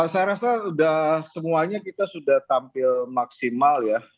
saya rasa sudah semuanya kita sudah tampil maksimal ya